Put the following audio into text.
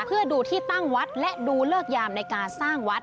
เพื่อดูที่ตั้งวัดและดูเลิกยามในการสร้างวัด